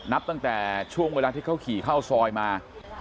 นับตั้งแต่ช่วงเวลาที่เขาขี่เข้าซอยมา